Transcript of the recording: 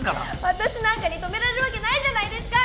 私なんかに止められるわけないじゃないですか！